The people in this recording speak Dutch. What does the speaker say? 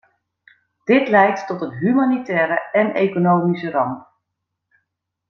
Dit leidt tot een humanitaire en economische ramp.